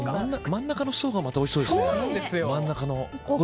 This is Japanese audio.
真ん中の層がまたおいしそうですね。